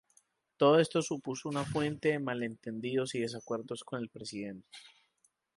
Todo esto supuso una fuente de malentendidos y desacuerdos con el presidente.